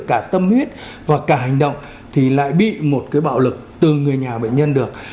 cả tâm huyết và cả hành động thì lại bị một cái bạo lực từ người nhà bệnh nhân được